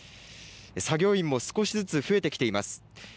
作業員も少しずつ増えてきています。